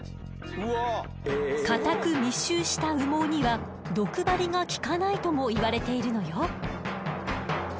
硬く密集した羽毛には毒針が効かないともいわれているのよ。